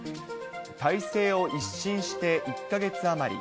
体制を一新して１か月余り。